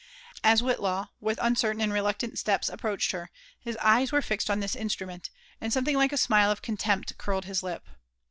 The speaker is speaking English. As Whrtlaw with ancertain and reluctant steps approached her, hii eyes were fixed on this instrument, and something Hke a smile of con«» tempt ettrled his lip.